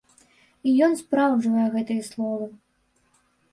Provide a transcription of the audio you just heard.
І ён спраўджвае гэтыя словы.